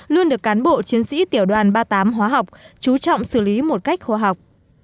luôn được cán bộ chiến sĩ tiểu đoàn ba mươi tám hóa học chú trọng xử lý một cách khoa học